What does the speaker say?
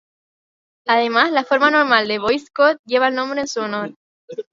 Además, la Forma normal de Boyce-Codd lleva el nombre en su honor.